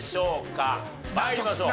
参りましょう。